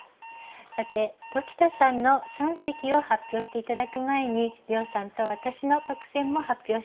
さて鴇田さんの三席を発表して頂く前に涼さんと私の特選も発表したいと思います。